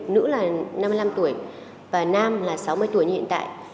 nữ là năm mươi năm tuổi và nam là sáu mươi tuổi như hiện tại